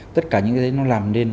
tất cả những cái đấy nó làm nên